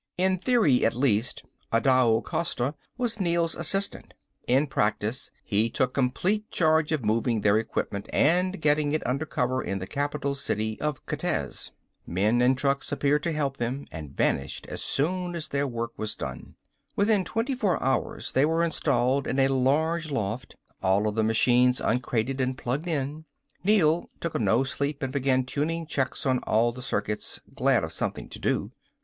In theory at least, Adao Costa was Neel's assistant. In practice he took complete charge of moving their equipment and getting it under cover in the capital city of Kitezh. Men and trucks appeared to help them, and vanished as soon as their work was done. Within twenty hours they were installed in a large loft, all of the machines uncrated and plugged in. Neel took a no sleep and began tuning checks on all the circuits, glad of something to do.